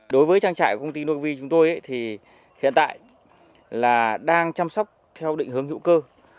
đối với trang trại của công ty novi chúng tôi thì hiện tại là đang chăm sóc theo định hướng hữu cơ